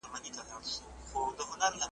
چا ویل چي دا ګړی به قیامت کیږي؟ .